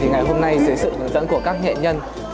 ngày hôm nay dưới sự hướng dẫn của các nghệ nhân